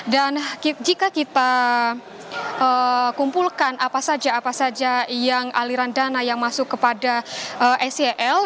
dan jika kita kumpulkan apa saja aliran dana yang masuk kepada sel